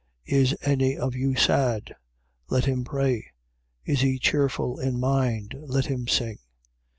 5:13. Is any of you sad? Let him pray: Is he cheerful in mind? Let him sing.